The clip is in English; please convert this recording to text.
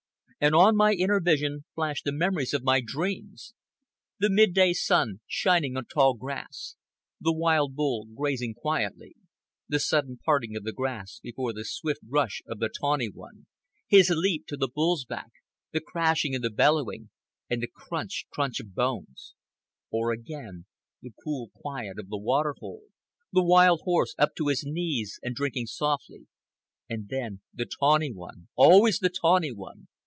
And on my inner vision flashed the memories of my dreams,—the midday sun shining on tall grass, the wild bull grazing quietly, the sudden parting of the grass before the swift rush of the tawny one, his leap to the bull's back, the crashing and the bellowing, and the crunch crunch of bones; or again, the cool quiet of the water hole, the wild horse up to his knees and drinking softly, and then the tawny one—always the tawny one!